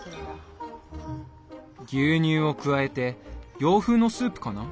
牛乳を加えて洋風のスープかな？